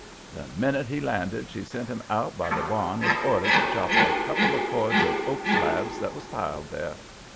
The minute he landed she sent him out by the barn with orders to chop a couple of cords of oak slabs that was piled there.